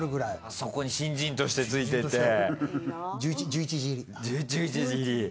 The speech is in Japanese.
そこに新人としてついてって。ああ。